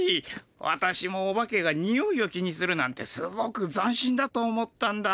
わたしもオバケがにおいを気にするなんてすごくざん新だと思ったんだ。